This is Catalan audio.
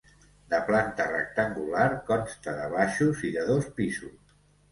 De planta rectangular, consta de baixos i de dos pisos.